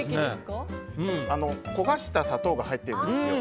焦がした砂糖が入っているんですよ。